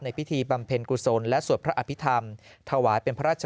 พิธีบำเพ็ญกุศลและสวดพระอภิษฐรรมถวายเป็นพระราช